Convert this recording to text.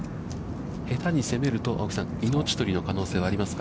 下手に攻めると、命取りの可能性はありますか。